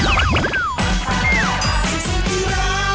สุขสุขที่รัก